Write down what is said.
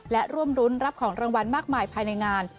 และร่วมรุ้นรับของรางวัลมากมายภายในงาน